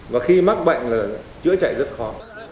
và khi mắc bệnh là chữa chạy rất khó